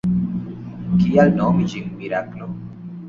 Kial nomi ĝin miraklo?